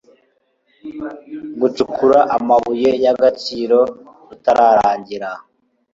gucukura amabuye y agaciro rutararangira